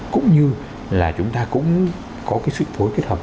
cũng như là chúng ta cũng có cái sự phối kết hợp